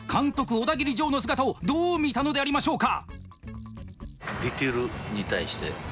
オダギリジョーの姿をどう見たのでありましょうか？